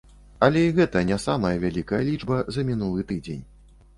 Але і гэта не самая вялікая лічба за мінулы тыдзень.